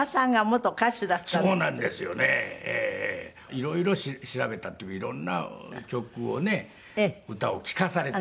色々調べたっていうか色んな曲をね歌を聴かされて。